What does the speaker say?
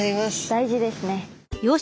大事ですね。